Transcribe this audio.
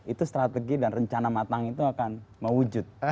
itu strategi dan rencana matang itu akan mewujud